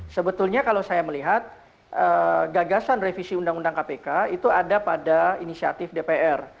sebetulnya kalau saya melihat gagasan revisi undang undang kpk itu ada pada inisiatif dpr